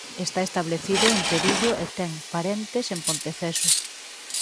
Está establecido en Perillo e ten parentes en Ponteceso.